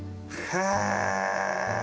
へえ！